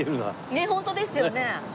ねっホントですよね。